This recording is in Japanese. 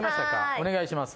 お願いします。